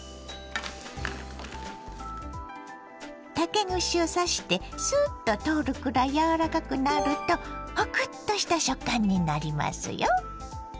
竹串を刺してスッと通るくらい柔らかくなるとホクッとした食感になりますよ。